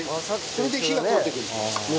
それで火が通っていくんです。